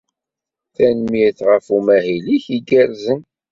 Tanemmirt ɣef umahil-ik igerrzen.